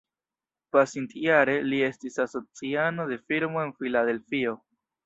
Pasintjare, li estis asociano de firmo en Filadelfio.